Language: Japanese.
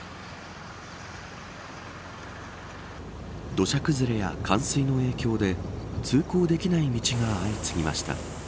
土砂崩れや冠水の影響で通行できない道が相次ぎました。